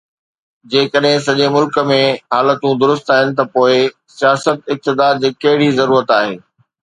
جيڪڏهن سڄي ملڪ ۾ حالتون درست آهن ته پوءِ سياست، اقتدار جي ڪهڙي ضرورت آهي